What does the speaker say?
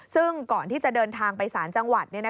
ซึ่งก่อนที่จะเดินทางไปสารจังหวัด